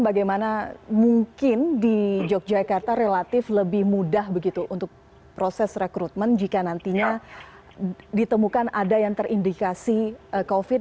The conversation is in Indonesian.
bagaimana mungkin di yogyakarta relatif lebih mudah begitu untuk proses rekrutmen jika nantinya ditemukan ada yang terindikasi covid sembilan belas